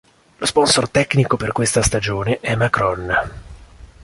Lo sponsor tecnico per questa stagione è "Macron".